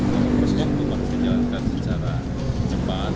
dan juga proses yang harus dijalankan secara cepat